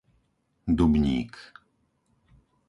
Dubník